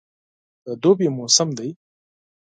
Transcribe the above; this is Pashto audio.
د دوبي موسم دی.